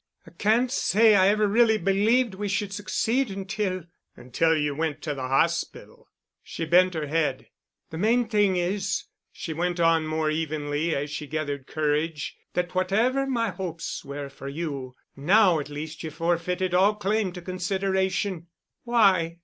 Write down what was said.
"I can't say I ever really believed we should succeed until——" "Until you went to the hospital." She bent her head. "The main thing is," she went on more evenly as she gathered courage, "that whatever my hopes were for you, now at least you've forfeited all claim to consideration." "Why?